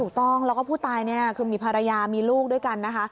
ถูกต้องแล้วก็ผู้ตายเนี่ยคือมีภรรยามีลูกด้วยกันนะคะ